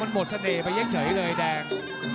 มันหมดเสน่ห์ไปเฉยเลยแดง